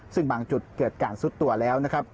ซึ่งบางจุดเกิดการซุดตัวแล้ว